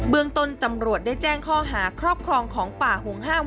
เมืองต้นตำรวจได้แจ้งข้อหาครอบครองของป่าห่วงห้าม